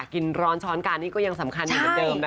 กินร้อนช้อนการนี่ก็ยังสำคัญอยู่เหมือนเดิมนะคะ